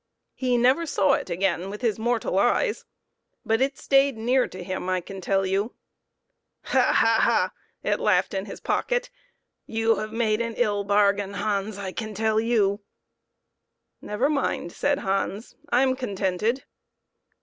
He never saw it again with his mortal eyes, but it stayed near to him, I can tell you. "Ha! ha! ha!" it laughed in his pocket, "you have made an ill bargain, Hans, I can tell you !" 68 PEPPER AND SALT. " Never mind," said Hans, " I am contented."